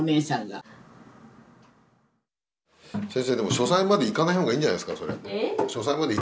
書斎まで行かない方がいいんじゃないですか？